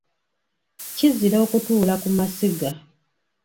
Kizira okutuula ku masiga.